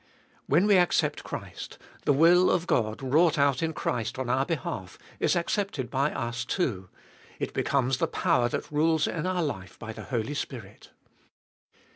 When we accept Christ, the Gbe Tboliest of 2111 337 will of God wrought out in Christ on our behalf, is accepted by us too ; it becomes the power that rules in our life by the Holy Spirit.